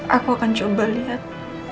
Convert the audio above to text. aku akan coba lihat